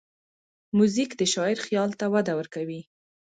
موزیک د شاعر خیال ته وده ورکوي.